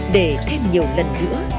để thêm nhiều lần nữa